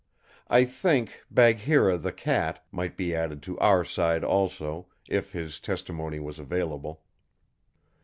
I think Bagheera, the cat, might be added to our side also, if his testimony was available.